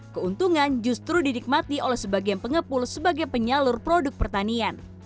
keuntungan justru didikmati oleh sebagian pengepul sebagai penyalur produk pertanian